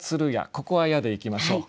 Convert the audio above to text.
ここは「や」でいきましょう。